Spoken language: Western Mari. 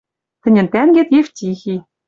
Тӹньӹн тӓнгет Евтихи».